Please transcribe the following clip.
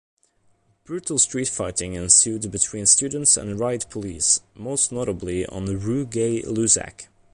Brutal street fighting ensued between students and riot police, most notably on Rue Gay-Lussac.